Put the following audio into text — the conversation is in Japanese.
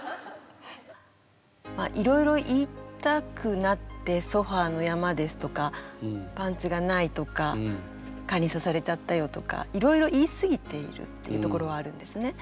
いろいろ言いたくなって「ソファーの山」ですとかパンツがないとか蚊にさされちゃったよとかいろいろ言いすぎているっていうところはあるんですね。